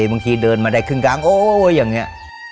บางทีไปเดินมาใดคึ่งกลางโอ้ยยร์อย่างนี้